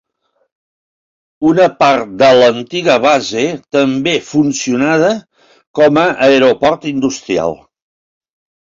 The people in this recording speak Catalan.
Una part de l'antiga base també funcionada com a aeroport industrial.